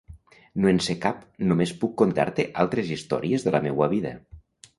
No en sé cap, només puc contar-te altres històries de la meua vida.